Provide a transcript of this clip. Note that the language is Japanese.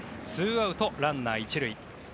２アウト、ランナー１塁。